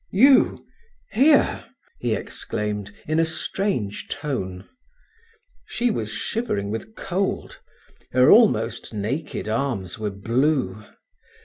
"You here!" he exclaimed, in a strange tone. She was shivering with cold. Her almost naked arms were blue.